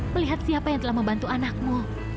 melihat siapa yang telah membantu anakmu